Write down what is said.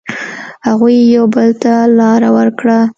هغوی یو بل ته لاره ورکړه.